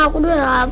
aku udah lapar